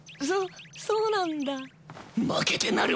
そそうなんだ。